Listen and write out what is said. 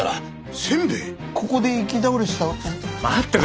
ここで行き倒れてた。